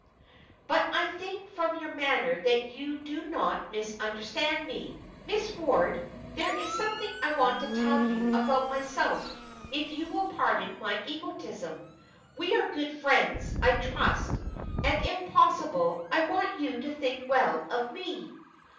But I think from your manner that you do not misunderstand me. Miss Ward, there is something I want to tell you about myself if you will pardon my egotism. We are good friends, I trust, and if possible I want you to think well of me."